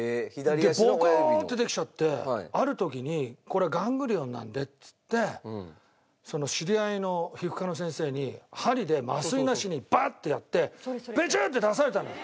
でボコーッてできちゃってある時にこれガングリオンなんでっつって知り合いの皮膚科の先生に針で麻酔なしにバーッてやってブチュッて出されたのよ。